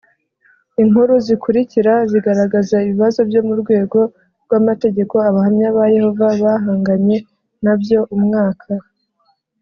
Inkuru zikurikira zigaragaza ibibazo byo mu rwego rw amategeko Abahamya ba Yehova bahanganye na byo umwaka